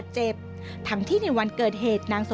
ทำไมเราต้องเป็นแบบเสียเงินอะไรขนาดนี้เวรกรรมอะไรนักหนา